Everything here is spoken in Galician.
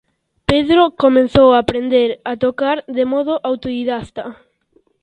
Pedro comezou a aprender a tocar de modo autodidacta.